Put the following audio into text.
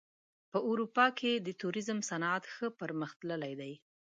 په اروپا کې د توریزم صنعت ښه پرمختللی دی.